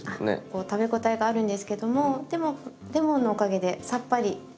こう食べ応えがあるんですけどもでもレモンのおかげでさっぱりしていて。